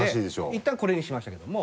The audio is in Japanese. いったんこれにしましたけども。